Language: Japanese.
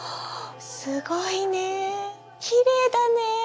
すごいねきれいだね。